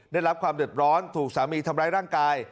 ได้รับความเดือดร้อนถูกสามีทำร้ายร่างกาย